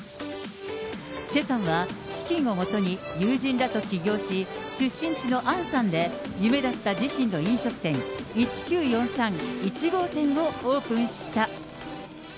チェさんは、資金をもとに友人らと起業し、出身地のアンサンで夢だった自身の飲食店、１９４３・１号店をオープンした。